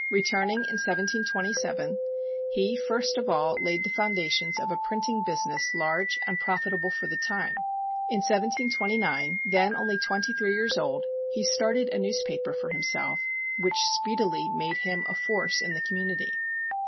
Returning in 1727, he, first of all, laid the foundations of a printing business large and profitable for the time. In 1729, then only twenty three years old, he started a newspaper for himself, which speedily made him a force in the community.